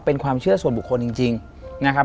เป็นความเชื่อส่วนบุคคลจริงนะครับ